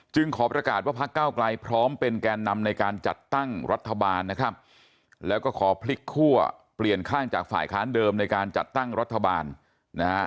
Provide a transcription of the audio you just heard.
ขอประกาศว่าพักเก้าไกลพร้อมเป็นแกนนำในการจัดตั้งรัฐบาลนะครับแล้วก็ขอพลิกคั่วเปลี่ยนข้างจากฝ่ายค้านเดิมในการจัดตั้งรัฐบาลนะฮะ